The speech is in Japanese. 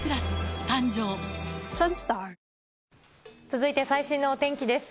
続いて最新のお天気です。